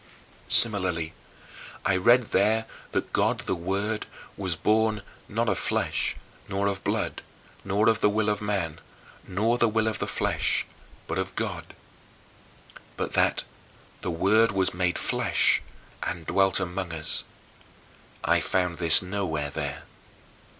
14. Similarly, I read there that God the Word was born "not of flesh nor of blood, nor of the will of man, nor the will of the flesh, but of God." But, that "the Word was made flesh, and dwelt among us" I found this nowhere there.